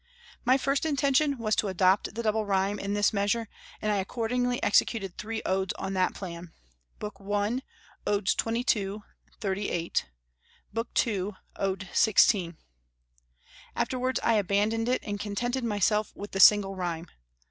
My first intention was to adopt the double rhyme in this measure, and I accordingly executed three Odes on that plan (Book I. Odes 22, 38; Book II. Ode 16); afterwards I abandoned it, and contented myself with the single rhyme.